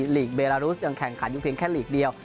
ลีกเบลารุสยังแข่งขันอยู่เพียงแค่ลีกเดียว